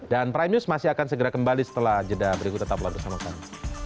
dan prime news masih akan segera kembali setelah jeda berikut tetap bersama kami